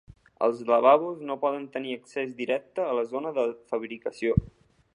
Els lavabos no poden tenir accés directe a la zona de fabricació.